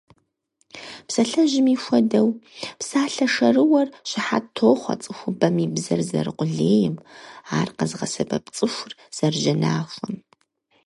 Псалъэжьми хуэдэу, псалъэ шэрыуэр щыхьэт тохъуэ цӀыхубэм и бзэр зэрыкъулейм, ар къэзыгъэсэбэп цӀыхур зэрыжьэнахуэм.